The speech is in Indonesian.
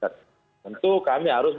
tentu kami harus